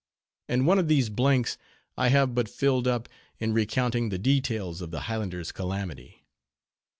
And one of these blanks I have but filled up, in recounting the details of the Highlander's calamity.